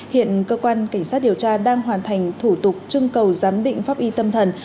hiện cơ quan cảnh sát điều tra đang hoàn thành thủ tục trưng cầu giám định pháp y tâm thần